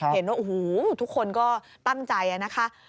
เห็นว่าโอ้โหทุกคนก็ตั้งใจนะคะ